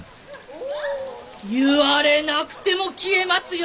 言われなくても消えますよ。